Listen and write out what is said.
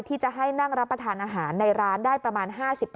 ที่จะให้นั่งรับประทานอาหารในร้านได้ประมาณ๕๐